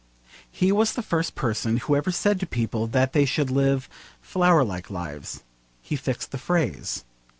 He was the first person who ever said to people that they should live 'flower like lives.' He fixed the phrase.